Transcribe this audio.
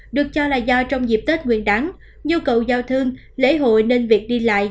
được cho là do trong dịp tết nguyên đáng nhu cầu giao thương lễ hội nên việc đi lại